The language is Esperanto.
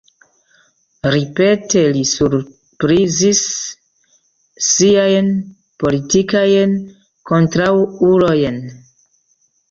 Ripete li surprizis siajn politikajn kontraŭulojn.